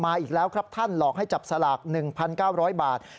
อีกแล้วครับท่านหลอกให้จับสลาก๑๙๐๐บาท